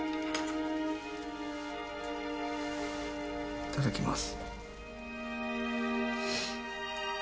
いただきます